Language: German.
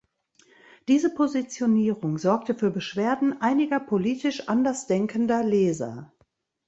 Diese Positionierung sorgte für Beschwerden einiger politisch andersdenkender Leser.